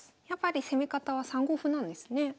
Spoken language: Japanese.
やっぱり攻め方は３五歩なんですね。